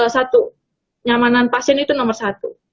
satu nyamanan pasien itu nomor satu